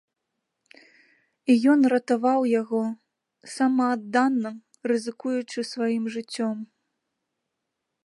І ён ратаваў яго, самааддана рызыкуючы сваім жыццём.